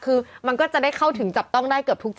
คือมันก็จะได้เข้าถึงจับต้องได้เกือบทุกที่